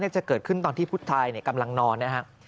จะเกิดขึ้นตอนที่ผู้ชายกำลังนอนนะครับ